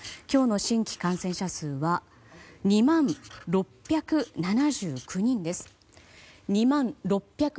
今日の新規感染者数は２万６７９人です。